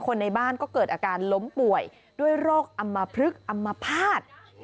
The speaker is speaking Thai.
คนในบ้านก็เกิดอาการล้มป่วยด้วยโรคอมเภรึกอมพาส